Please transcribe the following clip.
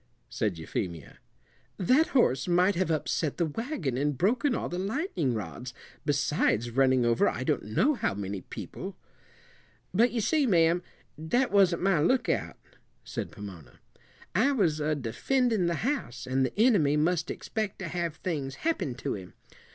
said Euphemia. "That horse might have upset the wagon and broken all the lightning rods, besides running over I don't know how many people." "But you see, ma'am, that wasn't my lookout," said Pomona. "I was a defendin' the house, and the enemy must expect to have things happen to him.